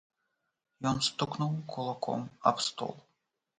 Ён стукнуў кулаком аб стол.